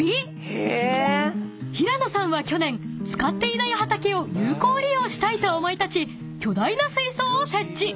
［平野さんは去年使っていない畑を有効利用したいと思い立ち巨大な水槽を設置］